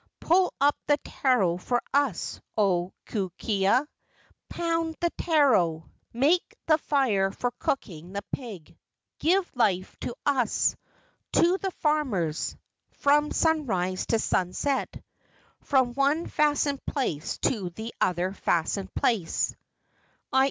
Pull up the taro for us, O Kukea! Pound the taro. AUMAKUAS, OR ANCESTOR GHOSTS 255 Make the fire for cooking the pig. Give life to us— To the farmers— From sunrise to sunset From one fastened place to the other fastened place [i.